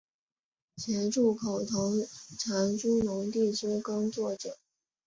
协助口头承租农地之耕作者